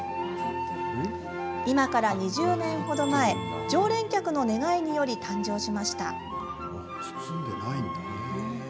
今から２０年ほど前常連客の願いにより誕生しました。